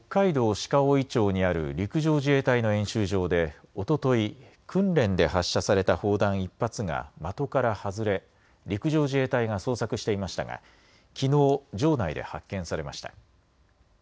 鹿追町にある陸上自衛隊の演習場でおととい訓練で発射された砲弾１発が的から外れ陸上自衛隊が捜索していましたがきのう場内で発見されました。